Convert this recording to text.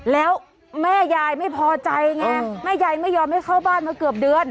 แล้วแม่ยายไม่พอใจไงแม่ยายไม่ยอมให้เข้าบ้านมาเกือบเดือน